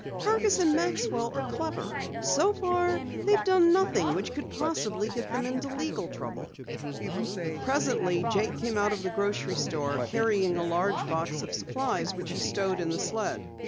Fergus and Maxwell are clever. So far they've done nothing which could possibly get them into legal trouble." Presently Jake came out of the grocery store, carrying a large box of supplies which he stowed in the sled.